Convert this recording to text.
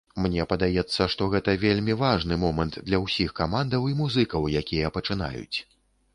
Мне падаецца, што гэта вельмі важны момант для ўсіх камандаў і музыкаў, якія пачынаюць.